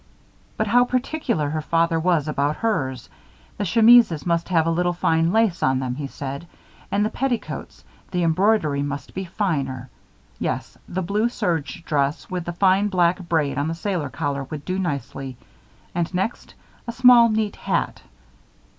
But how particular her father was about hers. The chemises must have a little fine lace on them, he said. And the petticoats the embroidery must be finer. Yes, the blue serge dress with the fine black braid on the sailor collar would do nicely. And next, a small, neat hat.